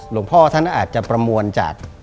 หลวงพ่อท่านอาจจะประมวลจาก